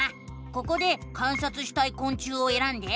ここで観察したいこん虫をえらんで。